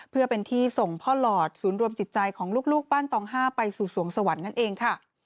เพื่อเป็นที่ส่งพ่อหลอดศูนย์รวมจิตใจของลูกบ้านตอง๕ไปสู่สวงสวรรค์นั่นเองค่ะ